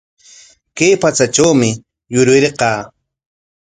Kay patsatrawmi yurirqaa.